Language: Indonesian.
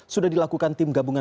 sudah dilakukan tim gabungan